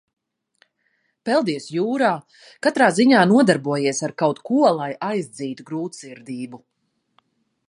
Peldies jūrā, katrā ziņā nodarbojies ar kaut ko, lai aizdzītu grūtsirdību.